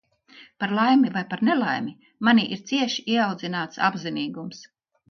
Par laimi vai par nelaimi, manī ir cieši ieaudzināts apzinīgums.